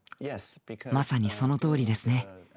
まさにそのとおりですね。